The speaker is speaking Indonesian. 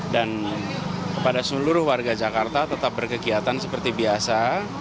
dan kepada seluruh warga jakarta tetap berkegiatan seperti biasa